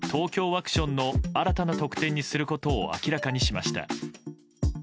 ワクションの新たな特典にすることを明らかにしました。